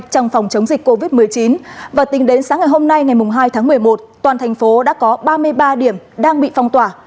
trong phòng chống dịch covid một mươi chín và tính đến sáng ngày hôm nay ngày hai tháng một mươi một toàn thành phố đã có ba mươi ba điểm đang bị phong tỏa